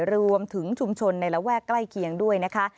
รวมถึงชุมชนในระแวกใกล้เคียงด้วยนะคะ